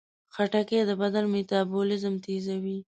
خټکی د بدن میتابولیزم تیزوي.